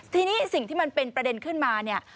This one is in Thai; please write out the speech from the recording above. ทีนี้สิ่งที่มันเป็นประเด็นขึ้นมาเนี่ย